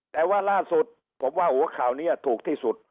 แต่ว่าล่าสุดผมว่าหัวข่าวนี้ถูกที่สุด